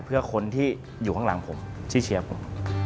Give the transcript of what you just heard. เพื่อคนที่อยู่ข้างหลังผมที่เชียร์ผม